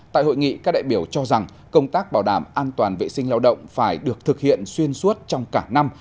tại hội nghị các đại biểu cho rằng công tác bảo đảm an toàn vệ sinh lao động phải được thực hiện xuyên suốt trong cả năm